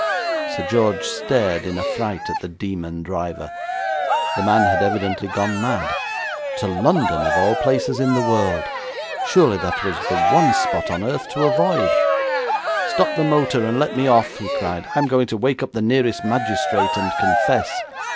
Sir George stared in affright at the demon driver. The man had evidently gone mad. To London, of all places in the world. Surely that was the one spot on earth to avoid. 'Stop the motor and let me off,' he cried. 'I'm going to wake up the nearest magistrate and confess.'